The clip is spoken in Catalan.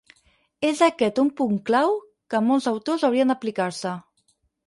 És aquest un punt clau que molts autors haurien d'aplicar-se.